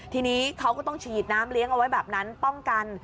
ทีนี้เขาก็ต้องฉีดน้ำเลี้ยงเอาไว้แบบนั้นป้องกัน